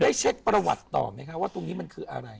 เช็คประวัติต่อไหมคะว่าตรงนี้มันคืออะไร